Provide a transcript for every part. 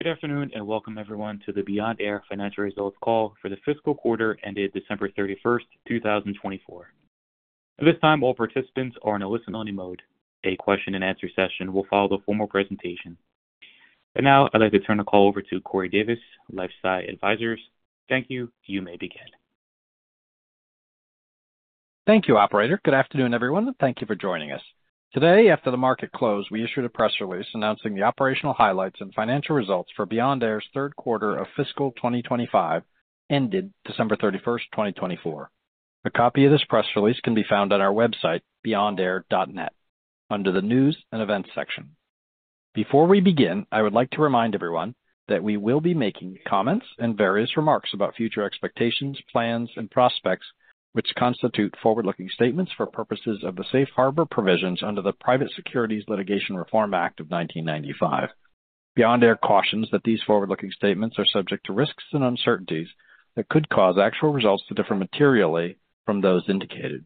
Good afternoon and welcome, everyone, to the Beyond Air Financial Results Call for the fiscal quarter ended December 31, 2024. At this time, all participants are in a listen-only mode. A question-and-answer session will follow the formal presentation. I would like to turn the call over to Corey Davis, LifeSci Advisors. Thank you. You may begin. Thank you, Operator. Good afternoon, everyone, and thank you for joining us. Today, after the market closed, we issued a press release announcing the operational highlights and financial results for Beyond Air's third quarter of fiscal 2025, ended December 31, 2024. A copy of this press release can be found on our website, beyondair.net, under the News and Events section. Before we begin, I would like to remind everyone that we will be making comments and various remarks about future expectations, plans, and prospects, which constitute forward-looking statements for purposes of the Safe Harbor Provisions under the Private Securities Litigation Reform Act of 1995. Beyond Air cautions that these forward-looking statements are subject to risks and uncertainties that could cause actual results to differ materially from those indicated.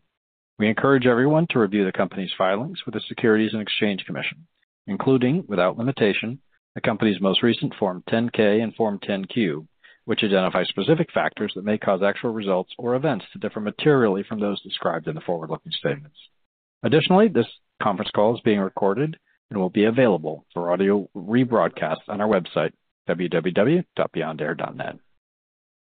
We encourage everyone to review the company's filings with the Securities and Exchange Commission, including, without limitation, the company's most recent Form 10-K and Form 10-Q, which identify specific factors that may cause actual results or events to differ materially from those described in the forward-looking statements. Additionally, this conference call is being recorded and will be available for audio rebroadcast on our website, www.beyondair.net.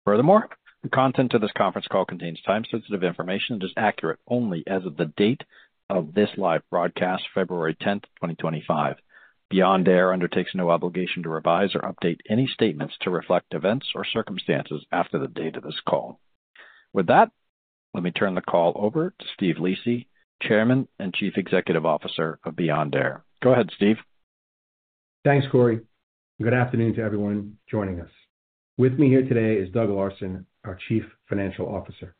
Furthermore, the content of this conference call contains time-sensitive information and is accurate only as of the date of this live broadcast, February 10th, 2025. Beyond Air undertakes no obligation to revise or update any statements to reflect events or circumstances after the date of this call. With that, let me turn the call over to Steve Lisi, Chairman and Chief Executive Officer of Beyond Air. Go ahead, Steve. Thanks, Corey. Good afternoon to everyone joining us. With me here today is Doug Larson, our Chief Financial Officer.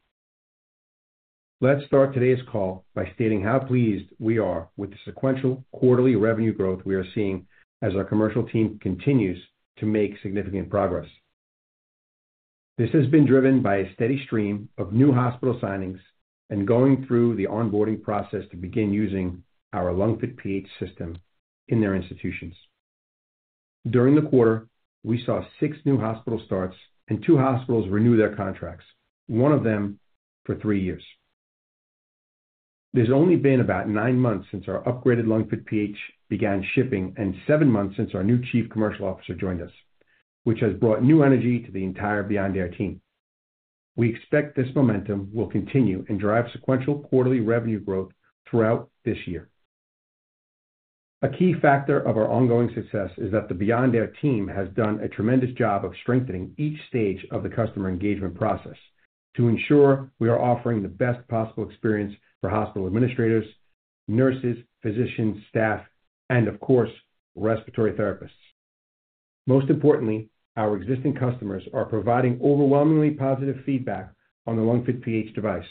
Let's start today's call by stating how pleased we are with the sequential quarterly revenue growth we are seeing as our commercial team continues to make significant progress. This has been driven by a steady stream of new hospital signings and going through the onboarding process to begin using our LungFit PH system in their institutions. During the quarter, we saw six new hospital starts and two hospitals renew their contracts, one of them for three years. There's only been about nine months since our upgraded LungFit PH began shipping and seven months since our new Chief Commercial Officer joined us, which has brought new energy to the entire Beyond Air team. We expect this momentum will continue and drive sequential quarterly revenue growth throughout this year. A key factor of our ongoing success is that the Beyond Air team has done a tremendous job of strengthening each stage of the customer engagement process to ensure we are offering the best possible experience for hospital administrators, nurses, physicians, staff, and, of course, respiratory therapists. Most importantly, our existing customers are providing overwhelmingly positive feedback on the LungFit PH device,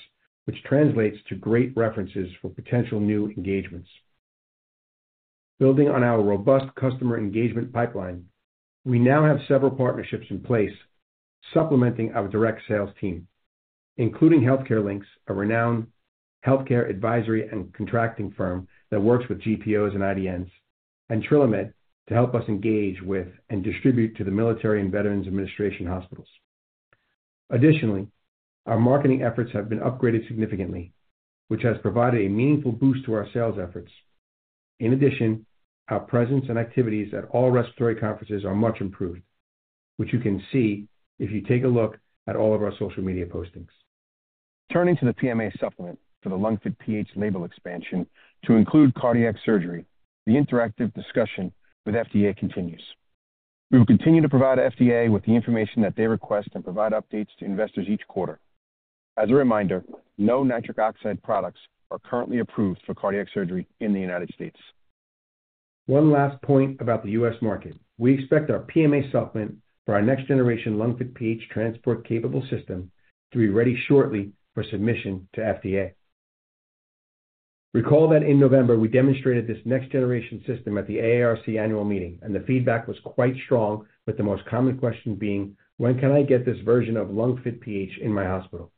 which translates to great references for potential new engagements. Building on our robust customer engagement pipeline, we now have several partnerships in place supplementing our direct sales team, including Healthcare Links, a renowned healthcare advisory and contracting firm that works with GPOs and IDNs, and TrillaMed to help us engage with and distribute to the Military and Veterans Administration hospitals. Additionally, our marketing efforts have been upgraded significantly, which has provided a meaningful boost to our sales efforts. In addition, our presence and activities at all respiratory conferences are much improved, which you can see if you take a look at all of our social media postings. Turning to the PMA supplement for the LungFit PH label expansion to include cardiac surgery, the interactive discussion with FDA continues. We will continue to provide FDA with the information that they request and provide updates to investors each quarter. As a reminder, no nitric oxide products are currently approved for cardiac surgery in the United States. One last point about the U.S. market. We expect our PMA supplement for our next-generation LungFit PH transport-capable system to be ready shortly for submission to FDA. Recall that in November, we demonstrated this next-generation system at the AARC annual meeting, and the feedback was quite strong, with the most common question being, "When can I get this version of LungFit PH in my hospital?"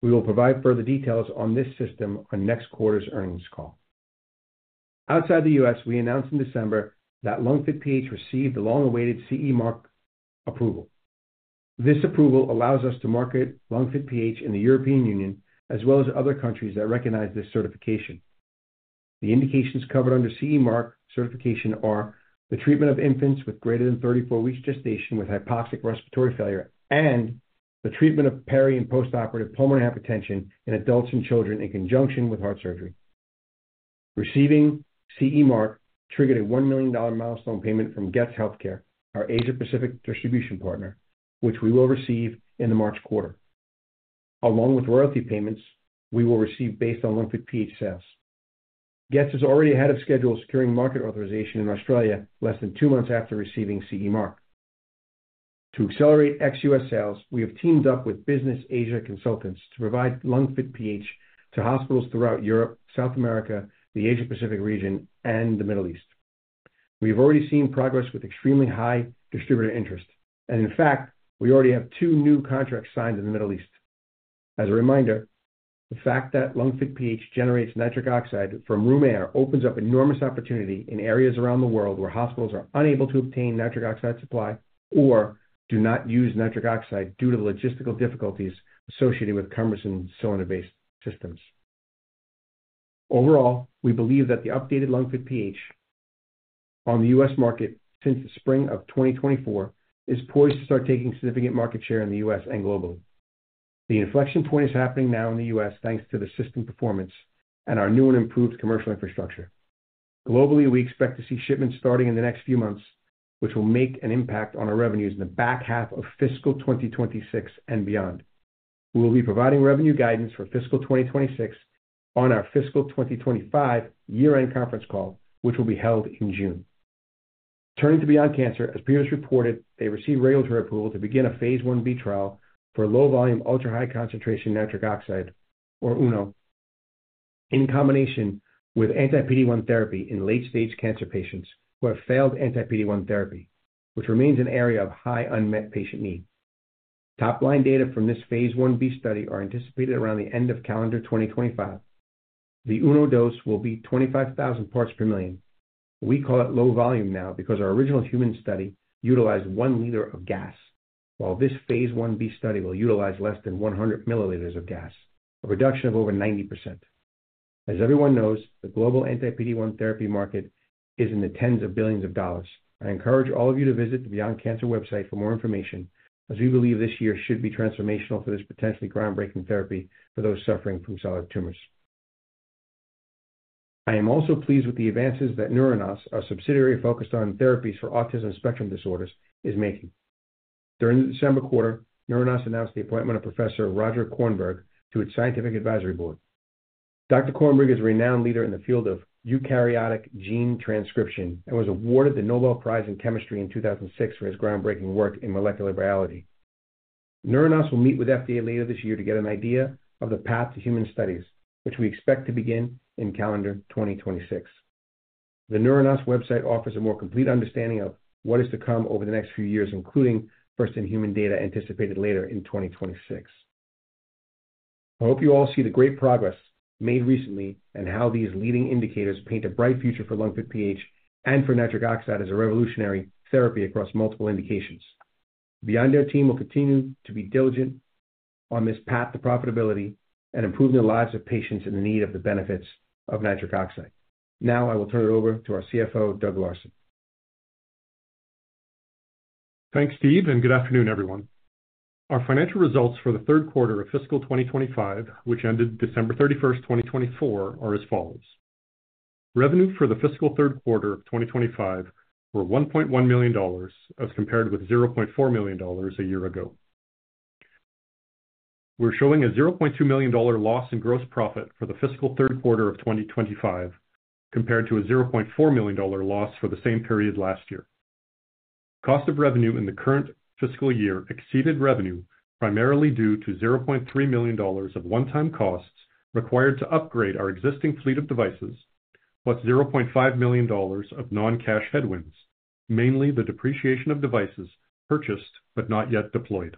We will provide further details on this system on next quarter's earnings call. Outside the U.S., we announced in December that LungFit PH received the long-awaited CE Mark approval. This approval allows us to market LungFit PH in the European Union, as well as other countries that recognize this certification. The indications covered under CE Mark certification are the treatment of infants with greater than 34 weeks gestation with hypoxic respiratory failure and the treatment of peri- and post-operative pulmonary hypertension in adults and children in conjunction with heart surgery. Receiving CE Mark triggered a $1 million milestone payment from Getz Healthcare, our Asia-Pacific distribution partner, which we will receive in the March quarter. Along with royalty payments, we will receive based on LungFit PH sales. Getz is already ahead of schedule, securing market authorization in Australia less than two months after receiving CE Mark. To accelerate ex-US sales, we have teamed up with Business Asia Consultants to provide LungFit PH to hospitals throughout Europe, South America, the Asia-Pacific region, and the Middle East. We have already seen progress with extremely high distributor interest, and in fact, we already have two new contracts signed in the Middle East. As a reminder, the fact that LungFit PH generates nitric oxide from room air opens up enormous opportunity in areas around the world where hospitals are unable to obtain nitric oxide supply or do not use nitric oxide due to the logistical difficulties associated with cumbersome cylinder-based systems. Overall, we believe that the updated LungFit PH on the U.S. market since the spring of 2024 is poised to start taking significant market share in the U.S. and globally. The inflection point is happening now in the U.S. thanks to the system performance and our new and improved commercial infrastructure. Globally, we expect to see shipments starting in the next few months, which will make an impact on our revenues in the back half of fiscal 2026 and beyond. We will be providing revenue guidance for fiscal 2026 on our fiscal 2025 year-end conference call, which will be held in June. Turning to Beyond Cancer, as previously reported, they received regulatory approval to begin a phase IB trial for low-volume ultra-high concentration nitric oxide, or UNO, in combination with anti-PD-1 therapy in late-stage cancer patients who have failed anti-PD-1 therapy, which remains an area of high unmet patient need. Top-line data from this phase IB study are anticipated around the end of calendar 2025. The UNO dose will be 25,000 parts per million. We call it low volume now because our original human study utilized one liter of gas, while this phase IB study will utilize less than 100 milliliters of gas, a reduction of over 90%. As everyone knows, the global anti-PD-1 therapy market is in the tens of billions of dollars. I encourage all of you to visit the Beyond Cancer website for more information, as we believe this year should be transformational for this potentially groundbreaking therapy for those suffering from solid tumors. I am also pleased with the advances that Neuronas, our subsidiary focused on therapies for autism spectrum disorders, is making. During the December quarter, Neuronas announced the appointment of Professor Roger Kornberg to its scientific advisory board. Dr. Kornberg is a renowned leader in the field of eukaryotic gene transcription and was awarded the Nobel Prize in Chemistry in 2006 for his groundbreaking work in molecular biology. Neuronas will meet with FDA later this year to get an idea of the path to human studies, which we expect to begin in calendar 2026. The Neuronas website offers a more complete understanding of what is to come over the next few years, including first-in-human data anticipated later in 2026. I hope you all see the great progress made recently and how these leading indicators paint a bright future for LungFit PH and for nitric oxide as a revolutionary therapy across multiple indications. Beyond Air team will continue to be diligent on this path to profitability and improve the lives of patients in the need of the benefits of nitric oxide. Now, I will turn it over to our CFO, Doug Larson. Thanks, Steve, and good afternoon, everyone. Our financial results for the third quarter of fiscal 2025, which ended December 31, 2024, are as follows. Revenue for the fiscal third quarter of 2025 were $1.1 million as compared with $0.4 million a year ago. We're showing a $0.2 million loss in gross profit for the fiscal third quarter of 2025 compared to a $0.4 million loss for the same period last year. Cost of revenue in the current fiscal year exceeded revenue primarily due to $0.3 million of one-time costs required to upgrade our existing fleet of devices, plus $0.5 million of non-cash headwinds, mainly the depreciation of devices purchased but not yet deployed.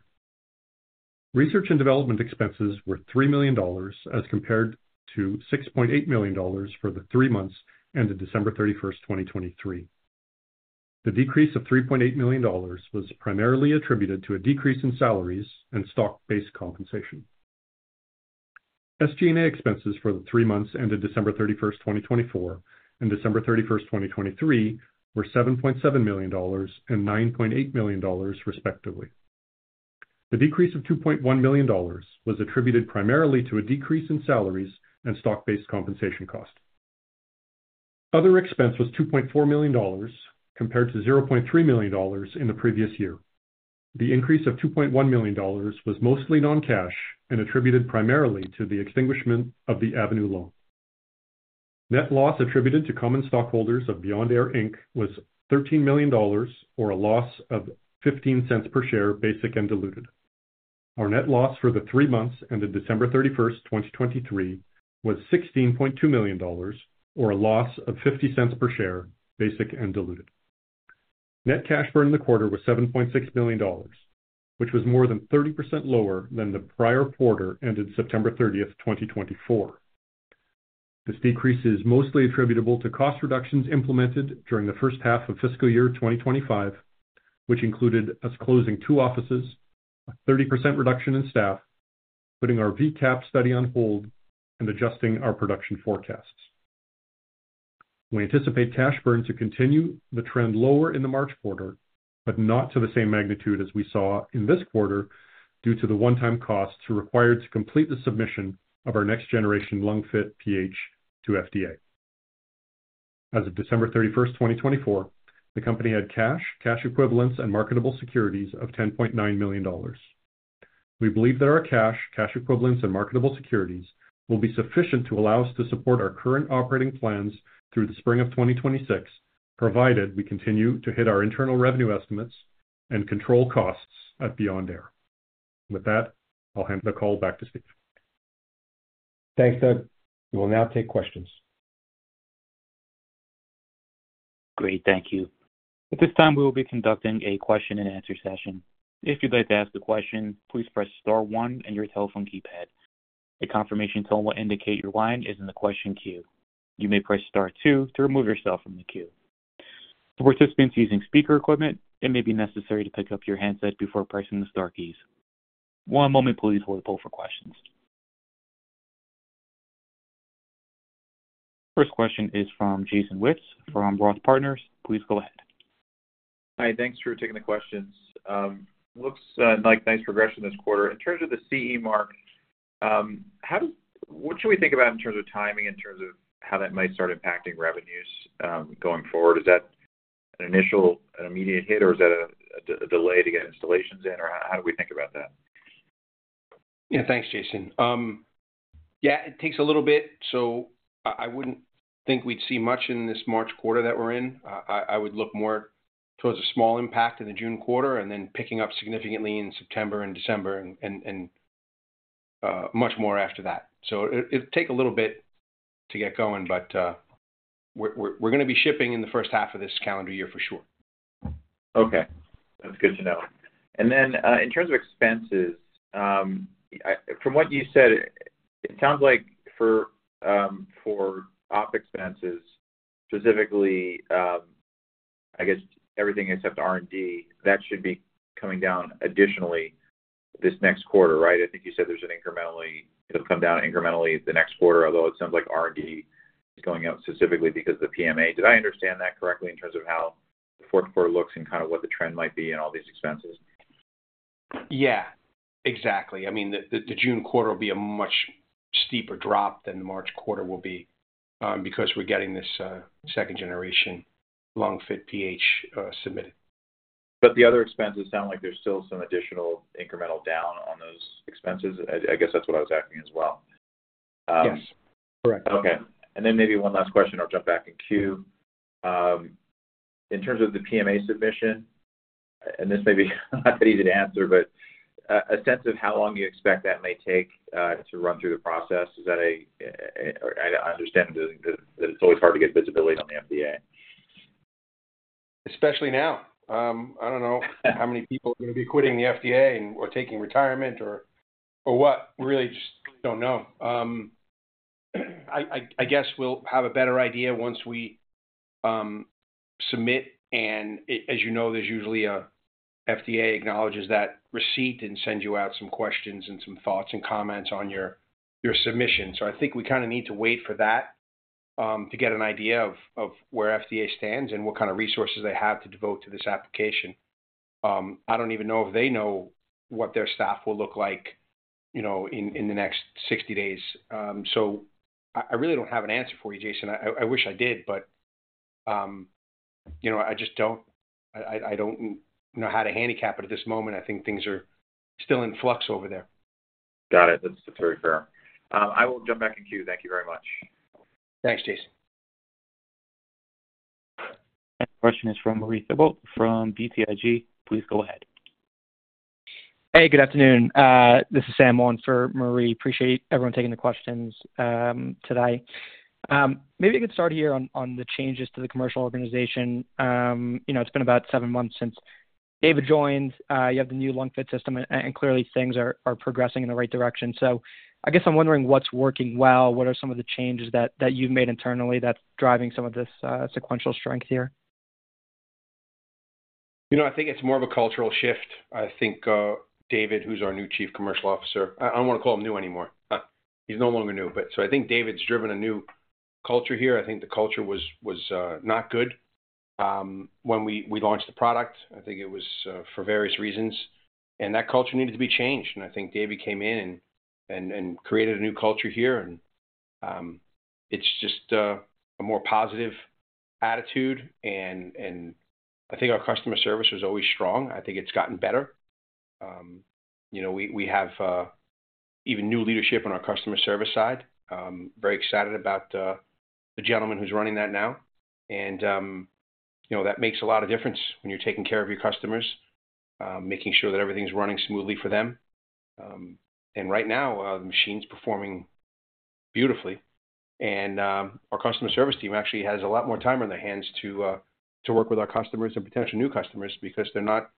Research and development expenses were $3 million as compared to $6.8 million for the three months ended December 31, 2023. The decrease of $3.8 million was primarily attributed to a decrease in salaries and stock-based compensation. SG&A expenses for the three months ended December 31, 2024, and December 31, 2023, were $7.7 million and $9.8 million, respectively. The decrease of $2.1 million was attributed primarily to a decrease in salaries and stock-based compensation cost. Other expense was $2.4 million compared to $0.3 million in the previous year. The increase of $2.1 million was mostly non-cash and attributed primarily to the extinguishment of the Avenue Loan. Net loss attributed to common stockholders of Beyond Air was $13 million, or a loss of $0.15 per share, basic and diluted. Our net loss for the three months ended December 31, 2023, was $16.2 million, or a loss of $0.50 per share, basic and diluted. Net cash burn in the quarter was $7.6 million, which was more than 30% lower than the prior quarter ended September 30, 2024. This decrease is mostly attributable to cost reductions implemented during the first half of fiscal year 2025, which included us closing two offices, a 30% reduction in staff, putting our VCAP study on hold, and adjusting our production forecasts. We anticipate cash burn to continue the trend lower in the March quarter, but not to the same magnitude as we saw in this quarter due to the one-time costs required to complete the submission of our next-generation LungFit PH to FDA. As of December 31, 2024, the company had cash, cash equivalents, and marketable securities of $10.9 million. We believe that our cash, cash equivalents, and marketable securities will be sufficient to allow us to support our current operating plans through the spring of 2026, provided we continue to hit our internal revenue estimates and control costs at Beyond Air. With that, I'll hand the call back to Steve. Thanks, Doug. We will now take questions. Great, thank you. At this time, we will be conducting a question-and-answer session. If you'd like to ask a question, please press Star 1 on your telephone keypad. A confirmation tone will indicate your line is in the question queue. You may press Star 2 to remove yourself from the queue. For participants using speaker equipment, it may be necessary to pick up your handset before pressing the Star keys. One moment, please, we'll pull for questions. First question is from Jason Wittes from Roth Partners. Please go ahead. Hi, thanks for taking the questions. Looks like nice progression this quarter. In terms of the CE Mark, what should we think about in terms of timing, in terms of how that might start impacting revenues going forward? Is that an initial, an immediate hit, or is that a delay to get installations in? How do we think about that? Yeah, thanks, Jason. Yeah, it takes a little bit. I wouldn't think we'd see much in this March quarter that we're in. I would look more towards a small impact in the June quarter and then picking up significantly in September and December and much more after that. It will take a little bit to get going, but we're going to be shipping in the first half of this calendar year for sure. Okay, that's good to know. In terms of expenses, from what you said, it sounds like for OpEx, specifically, I guess everything except R&D, that should be coming down additionally this next quarter, right? I think you said incrementally it'll come down incrementally the next quarter, although it sounds like R&D is going up specifically because of the PMA. Did I understand that correctly in terms of how the fourth quarter looks and kind of what the trend might be in all these expenses? Yeah, exactly. I mean, the June quarter will be a much steeper drop than the March quarter will be because we're getting this second-generation LungFit PH submitted. The other expenses sound like there's still some additional incremental down on those expenses. I guess that's what I was asking as well. Yes, correct. Okay. Maybe one last question. I'll jump back in queue. In terms of the PMA submission, and this may be not that easy to answer, but a sense of how long you expect that may take to run through the process, is that a—I understand that it's always hard to get visibility on the FDA. Especially now. I do not know how many people are going to be quitting the FDA or taking retirement or what. We really just do not know. I guess we will have a better idea once we submit. As you know, usually the FDA acknowledges that receipt and sends you out some questions and some thoughts and comments on your submission. I think we kind of need to wait for that to get an idea of where the FDA stands and what kind of resources they have to devote to this application. I do not even know if they know what their staff will look like in the next 60 days. I really do not have an answer for you, Jason. I wish I did, but I just do not know how to handicap it at this moment. I think things are still in flux over there. Got it. That's very fair. I will jump back in queue. Thank you very much. Thanks, Jason. The question is from Maurice Abbott from BTIG. Please go ahead. Hey, good afternoon. This is Sam Wong for Marie. Appreciate everyone taking the questions today. Maybe I could start here on the changes to the commercial organization. It's been about seven months since David joined. You have the new LungFit system, and clearly things are progressing in the right direction. I guess I'm wondering what's working well, what are some of the changes that you've made internally that's driving some of this sequential strength here? You know, I think it's more of a cultural shift. I think David, who's our new Chief Commercial Officer, I don't want to call him new anymore. He's no longer new. I think David's driven a new culture here. I think the culture was not good when we launched the product. I think it was for various reasons, and that culture needed to be changed. I think David came in and created a new culture here, and it's just a more positive attitude. I think our customer service was always strong. I think it's gotten better. We have even new leadership on our customer service side. Very excited about the gentleman who's running that now. That makes a lot of difference when you're taking care of your customers, making sure that everything's running smoothly for them. Right now, the machine's performing beautifully. Our customer service team actually has a lot more time on their hands to work with our customers and potential new customers because they're not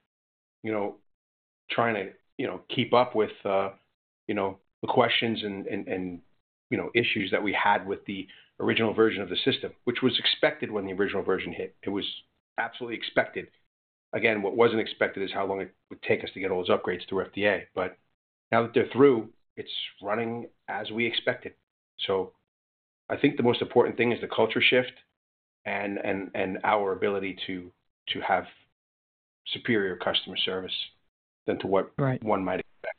trying to keep up with the questions and issues that we had with the original version of the system, which was expected when the original version hit. It was absolutely expected. Again, what was not expected is how long it would take us to get all those upgrades through FDA. Now that they're through, it's running as we expected. I think the most important thing is the culture shift and our ability to have superior customer service than to what one might expect.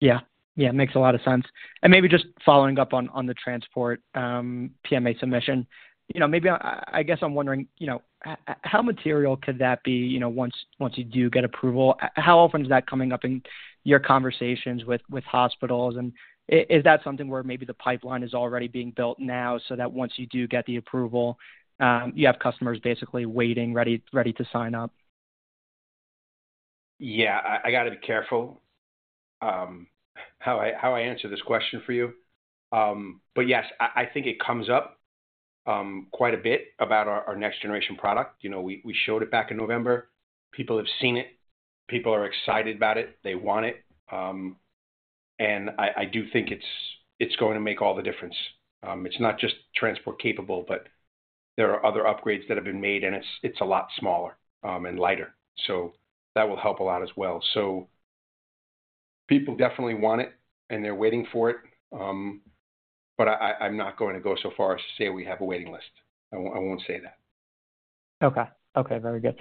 Yeah, yeah, makes a lot of sense. Maybe just following up on the transport PMA submission, maybe I guess I'm wondering how material could that be once you do get approval? How often is that coming up in your conversations with hospitals? Is that something where maybe the pipeline is already being built now so that once you do get the approval, you have customers basically waiting, ready to sign up? Yeah, I got to be careful how I answer this question for you. Yes, I think it comes up quite a bit about our next-generation product. We showed it back in November. People have seen it. People are excited about it. They want it. I do think it's going to make all the difference. It's not just transport-capable, but there are other upgrades that have been made, and it's a lot smaller and lighter. That will help a lot as well. People definitely want it, and they're waiting for it. I am not going to go so far as to say we have a waiting list. I will not say that. Okay, okay, very good.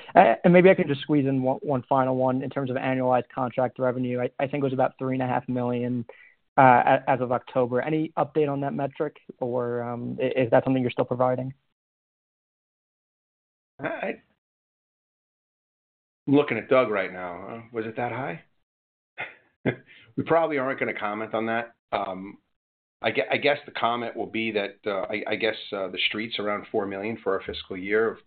Maybe I can just squeeze in one final one in terms of annualized contract revenue. I think it was about $3.5 million as of October. Any update on that metric, or is that something you're still providing? I'm looking at Doug right now. Was it that high? We probably aren't going to comment on that. I guess the comment will be that I guess the street's around $4 million for our fiscal year of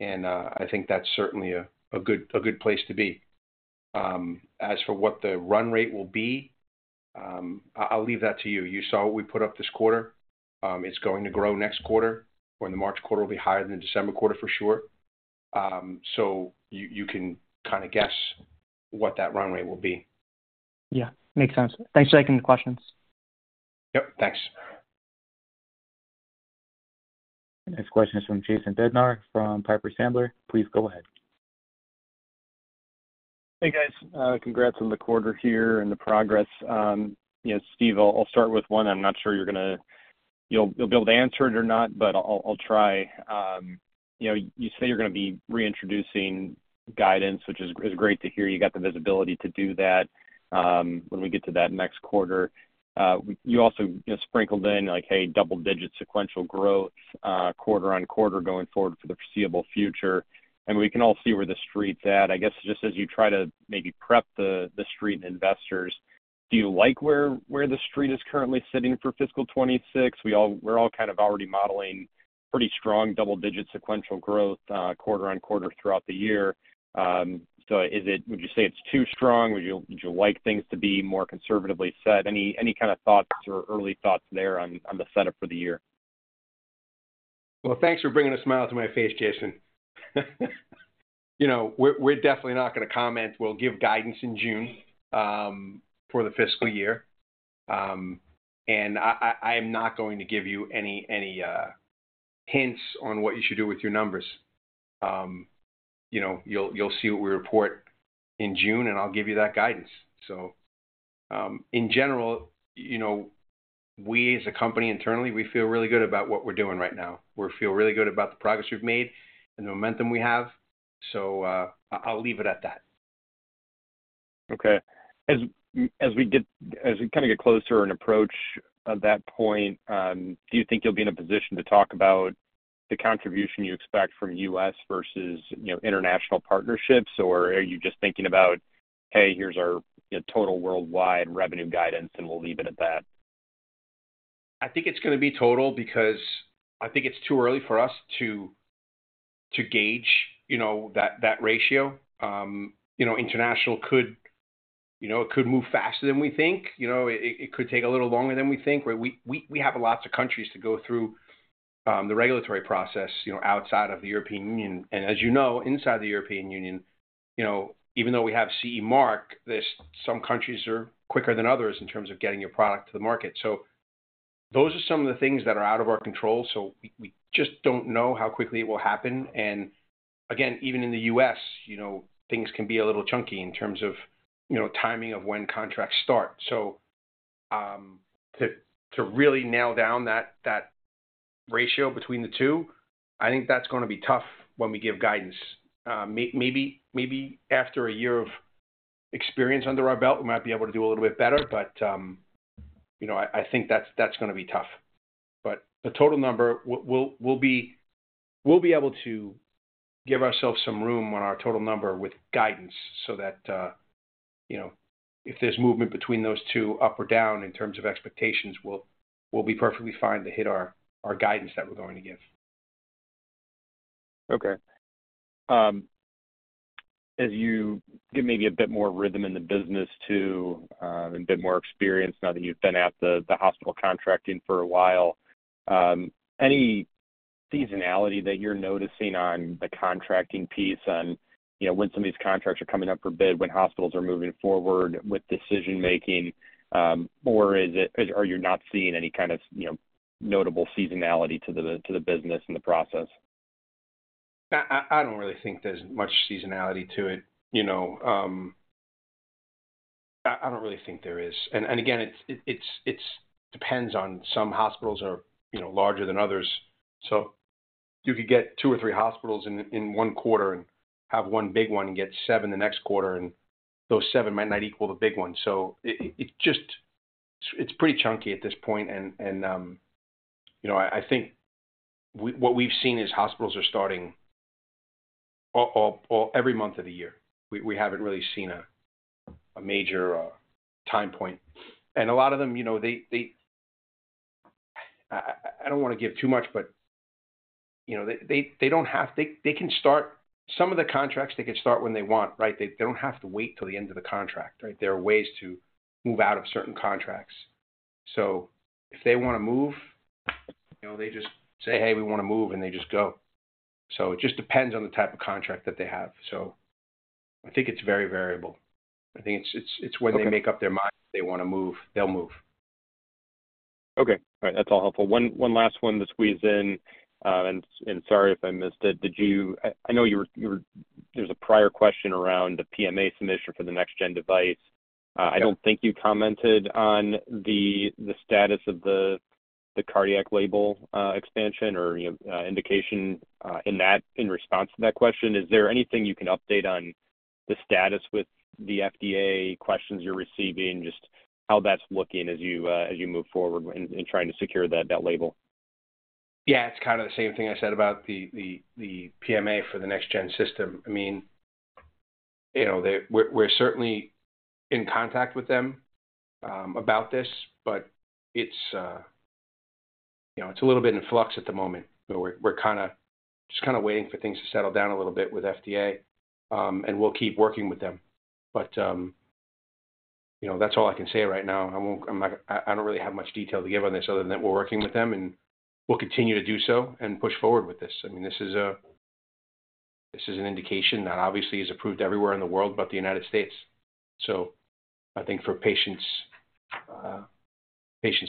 2025. I think that's certainly a good place to be. As for what the run rate will be, I'll leave that to you. You saw what we put up this quarter. It's going to grow next quarter, or in the March quarter, it'll be higher than the December quarter for sure. You can kind of guess what that run rate will be. Yeah, makes sense. Thanks for taking the questions. Yep, thanks. Next question is from Jason Bednar from Piper Sandler. Please go ahead. Hey, guys. Congrats on the quarter here and the progress. Steve, I'll start with one. I'm not sure you're going to—you'll be able to answer it or not, but I'll try. You say you're going to be reintroducing guidance, which is great to hear. You got the visibility to do that when we get to that next quarter. You also sprinkled in, like, "Hey, double-digit sequential growth quarter on quarter going forward for the foreseeable future." We can all see where the street's at. I guess just as you try to maybe prep the street investors, do you like where the street is currently sitting for fiscal 2026? We're all kind of already modeling pretty strong double-digit sequential growth quarter on quarter throughout the year. Would you say it's too strong? Would you like things to be more conservatively set? Any kind of thoughts or early thoughts there on the setup for the year? Thanks for bringing a smile to my face, Jason. We're definitely not going to comment. We'll give guidance in June for the fiscal year. I am not going to give you any hints on what you should do with your numbers. You'll see what we report in June, and I'll give you that guidance. In general, we as a company internally, we feel really good about what we're doing right now. We feel really good about the progress we've made and the momentum we have. I'll leave it at that. Okay. As we kind of get closer and approach that point, do you think you'll be in a position to talk about the contribution you expect from U.S. versus international partnerships, or are you just thinking about, "Hey, here's our total worldwide revenue guidance, and we'll leave it at that? I think it's going to be total because I think it's too early for us to gauge that ratio. International, it could move faster than we think. It could take a little longer than we think. We have lots of countries to go through the regulatory process outside of the European Union. As you know, inside the European Union, even though we have CE Mark, some countries are quicker than others in terms of getting your product to the market. Those are some of the things that are out of our control. We just don't know how quickly it will happen. Again, even in the U.S., things can be a little chunky in terms of timing of when contracts start. To really nail down that ratio between the two, I think that's going to be tough when we give guidance. Maybe after a year of experience under our belt, we might be able to do a little bit better, but I think that's going to be tough. The total number, we'll be able to give ourselves some room on our total number with guidance so that if there's movement between those two up or down in terms of expectations, we'll be perfectly fine to hit our guidance that we're going to give. Okay. As you get maybe a bit more rhythm in the business too, and a bit more experience now that you've been at the hospital contracting for a while, any seasonality that you're noticing on the contracting piece, on when some of these contracts are coming up for bid, when hospitals are moving forward with decision-making, or are you not seeing any kind of notable seasonality to the business and the process? I do not really think there is much seasonality to it. I do not really think there is. It depends on some hospitals are larger than others. You could get two or three hospitals in one quarter and have one big one and get seven the next quarter, and those seven might not equal the big one. It is pretty chunky at this point. I think what we have seen is hospitals are starting every month of the year. We have not really seen a major time point. A lot of them, I do not want to give too much, but they do not have—some of the contracts, they could start when they want, right? They do not have to wait till the end of the contract, right? There are ways to move out of certain contracts. If they want to move, they just say, "Hey, we want to move," and they just go. It just depends on the type of contract that they have. I think it's very variable. I think it's when they make up their mind they want to move, they'll move. Okay. All right. That's all helpful. One last one to squeeze in, and sorry if I missed it. I know there was a prior question around the PMA submission for the next-gen device. I don't think you commented on the status of the cardiac label expansion or indication in response to that question. Is there anything you can update on the status with the FDA questions you're receiving, just how that's looking as you move forward in trying to secure that label? Yeah, it's kind of the same thing I said about the PMA for the next-gen system. I mean, we're certainly in contact with them about this, but it's a little bit in flux at the moment. We're just kind of waiting for things to settle down a little bit with FDA, and we'll keep working with them. That's all I can say right now. I don't really have much detail to give on this other than we're working with them, and we'll continue to do so and push forward with this. I mean, this is an indication that obviously is approved everywhere in the world, but the United States. I think for patient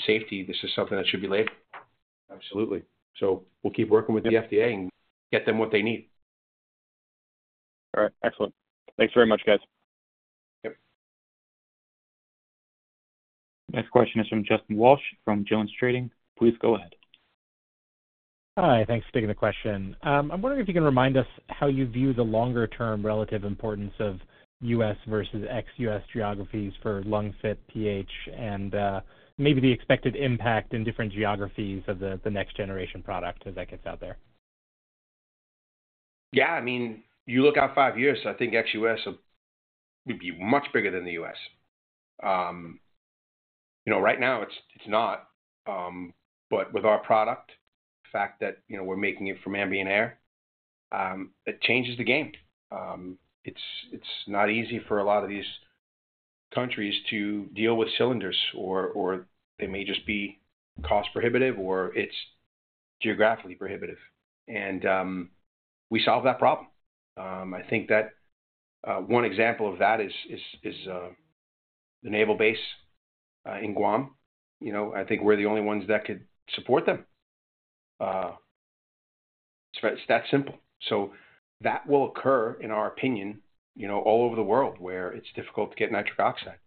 safety, this is something that should be labeled. Absolutely. We'll keep working with the FDA and get them what they need. All right. Excellent. Thanks very much, guys. Yep. Next question is from Justin Walsh from Jones Trading. Please go ahead. Hi. Thanks for taking the question. I'm wondering if you can remind us how you view the longer-term relative importance of U.S. versus ex-U.S. geographies for LungFit PH and maybe the expected impact in different geographies of the next-generation product as that gets out there. Yeah. I mean, you look out five years, I think ex-U.S. would be much bigger than the U.S. Right now, it's not. With our product, the fact that we're making it from ambient air, it changes the game. It's not easy for a lot of these countries to deal with cylinders, or they may just be cost-prohibitive, or it's geographically prohibitive. We solve that problem. I think that one example of that is the naval base in Guam. I think we're the only ones that could support them. It's that simple. That will occur, in our opinion, all over the world where it's difficult to get nitric oxide.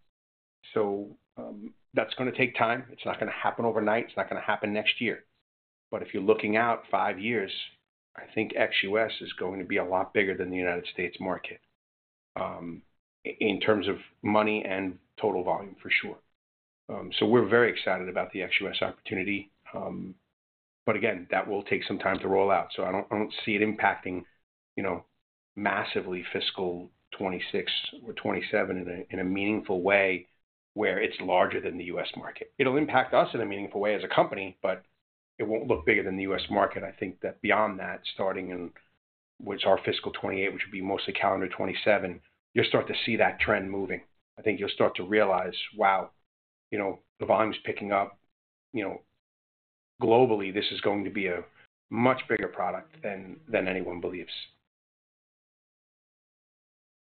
That is going to take time. It's not going to happen overnight. It's not going to happen next year. If you're looking out five years, I think ex-U.S. is going to be a lot bigger than the U.S. market in terms of money and total volume, for sure. We're very excited about the ex-U.S. opportunity. Again, that will take some time to roll out. I don't see it impacting massively fiscal 2026 or 2027 in a meaningful way where it's larger than the U.S. market. It'll impact us in a meaningful way as a company, but it won't look bigger than the U.S. market. I think that beyond that, starting in what's our fiscal 2028, which would be mostly calendar 2027, you'll start to see that trend moving. I think you'll start to realize, "Wow, the volume's picking up." Globally, this is going to be a much bigger product than anyone believes.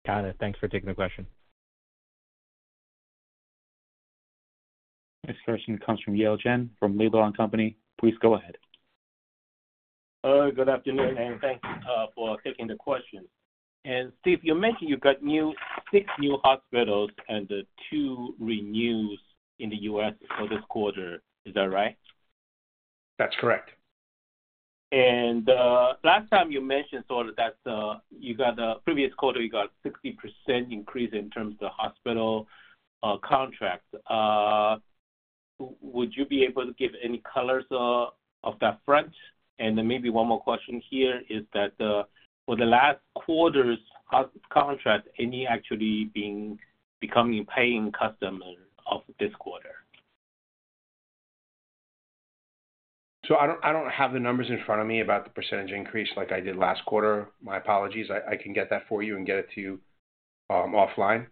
Got it. Thanks for taking the question. Next question comes from Yale Jen from Laidlaw & Company. Please go ahead. Good afternoon, and thanks for taking the question. Steve, you mentioned you got six new hospitals and two renews in the U.S. for this quarter. Is that right? That's correct. Last time you mentioned sort of that you got a previous quarter, you got a 60% increase in terms of the hospital contract. Would you be able to give any colors of that front? Maybe one more question here is that for the last quarter's contract, any actually becoming paying customer of this quarter? I do not have the numbers in front of me about the percentage increase like I did last quarter. My apologies. I can get that for you and get it to you offline.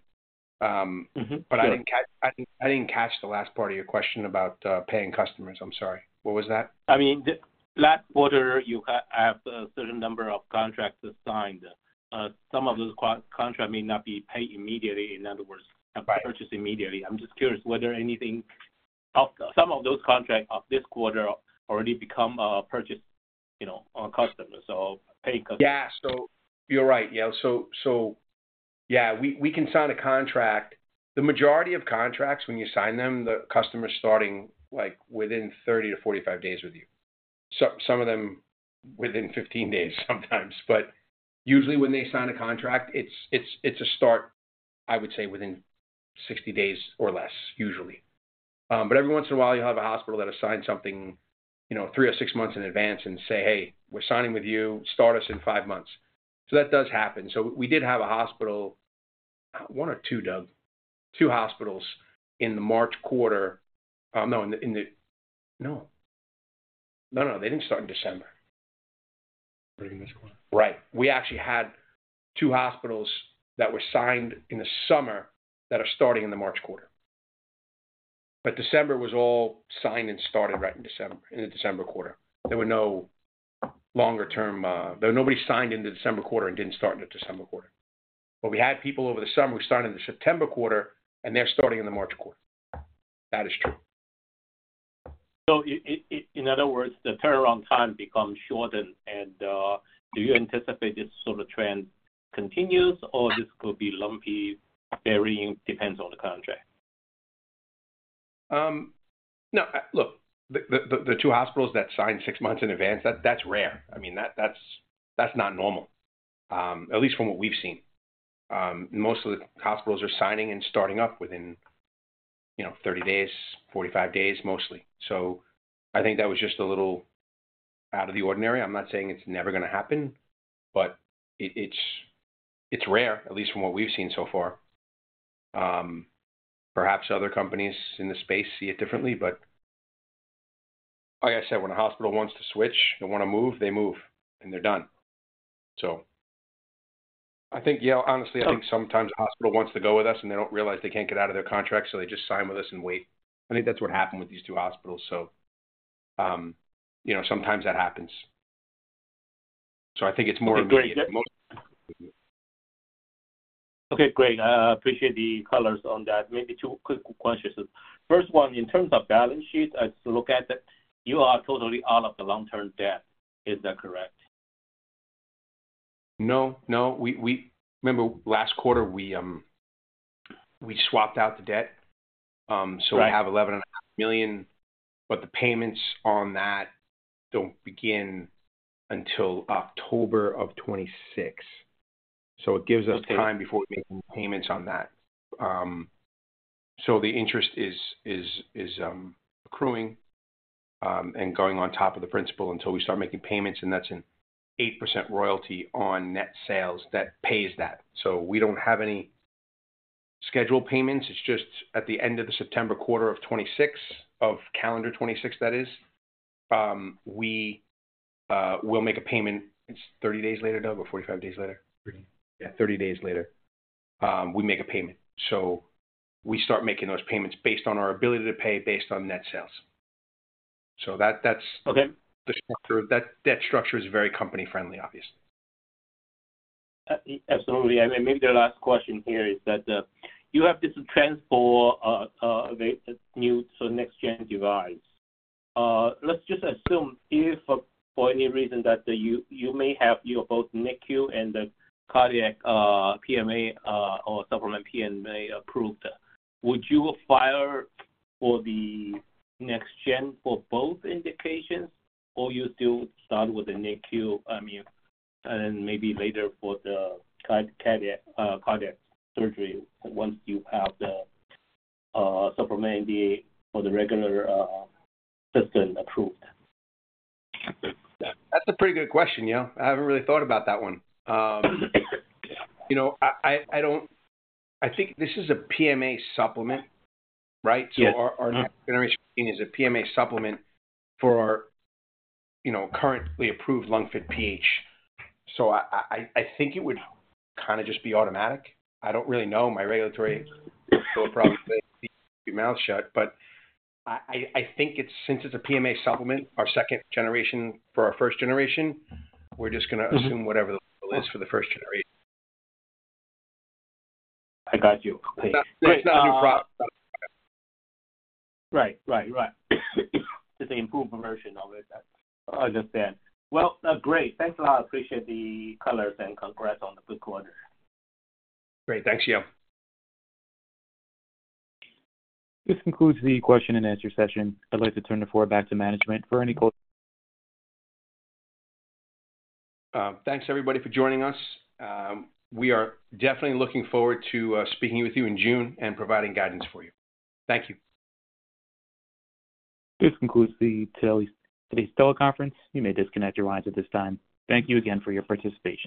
I did not catch the last part of your question about paying customers. I am sorry. What was that? I mean, last quarter, you have a certain number of contracts that are signed. Some of those contracts may not be paid immediately, in other words, not purchased immediately. I'm just curious whether any of those contracts of this quarter already become purchased customers or paid. Yeah. You're right, Yale. Yeah, we can sign a contract. The majority of contracts, when you sign them, the customer's starting within 30-45 days with you. Some of them within 15 days sometimes. Usually when they sign a contract, it's a start, I would say, within 60 days or less, usually. Every once in a while, you'll have a hospital that assigns something three or six months in advance and says, "Hey, we're signing with you. Start us in five months." That does happen. We did have a hospital—one or two, Doug—two hospitals in the March quarter. No, in the—no, no, no. They didn't start in December. Bringing this quarter. Right. We actually had two hospitals that were signed in the summer that are starting in the March quarter. December was all signed and started right in the December quarter. There were no longer-term—there was nobody signed in the December quarter and didn't start in the December quarter. We had people over the summer who started in the September quarter, and they're starting in the March quarter. That is true. In other words, the turnaround time becomes shortened. Do you anticipate this sort of trend continues, or this could be lumpy, varying, depends on the contract? No. Look, the two hospitals that signed six months in advance, that's rare. I mean, that's not normal, at least from what we've seen. Most of the hospitals are signing and starting up within 30-45 days, mostly. I think that was just a little out of the ordinary. I'm not saying it's never going to happen, but it's rare, at least from what we've seen so far. Perhaps other companies in the space see it differently. Like I said, when a hospital wants to switch, they want to move, they move, and they're done. I think, honestly, sometimes a hospital wants to go with us, and they don't realize they can't get out of their contracts, so they just sign with us and wait. I think that's what happened with these two hospitals. Sometimes that happens. I think it's more of a— Okay. Great. I appreciate the colors on that. Maybe two quick questions. First one, in terms of balance sheet, as you look at it, you are totally out of the long-term debt. Is that correct? No. No. Remember, last quarter, we swapped out the debt. We have $11.5 million, but the payments on that do not begin until October of 2026. It gives us time before we make any payments on that. The interest is accruing and going on top of the principal until we start making payments, and that is an 8% royalty on net sales that pays that. We do not have any scheduled payments. It is just at the end of the September quarter of 2026, of calendar 2026, that is, we will make a payment. Is it 30 days later, Doug, or 45 days later? Yeah, 30 days later, we make a payment. We start making those payments based on our ability to pay, based on net sales. That is the structure. That structure is very company-friendly, obviously. Absolutely. Maybe the last question here is that you have this trend for a new next-gen device. Let's just assume if, for any reason, that you may have both NICU and the cardiac PMA or supplement PMA approved, would you file for the next-gen for both indications, or you still start with the NICU, I mean, and maybe later for the cardiac surgery once you have the supplement NDA for the regular system approved? That's a pretty good question, Yale. I haven't really thought about that one. I think this is a PMA supplement, right? Our next-generation is a PMA supplement for our currently approved LungFit PH. I think it would kind of just be automatic. I don't really know. My regulatory people will probably be mouth-shut. I think since it's a PMA supplement, our second generation for our first generation, we're just going to assume whatever the label is for the first generation. I got you. There's not a new product. Right. Right. Right. It's an improved version of it. I understand. Great. Thanks a lot. Appreciate the colors and congrats on the good quarter. Great. Thanks, Yale. This concludes the question-and-answer session. I'd like to turn the floor back to management for any questions. Thanks, everybody, for joining us. We are definitely looking forward to speaking with you in June and providing guidance for you. Thank you. This concludes today's teleconference. You may disconnect your lines at this time. Thank you again for your participation.